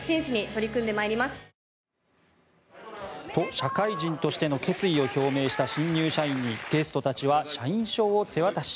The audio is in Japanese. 社会人としての決意を表明した新入社員にゲストたちは社員証を手渡し。